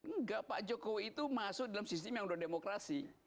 enggak pak jokowi itu masuk dalam sistem yang sudah demokrasi